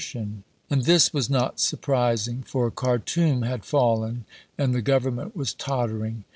And this was not surprising; for Khartoum had fallen, and the Government was tottering.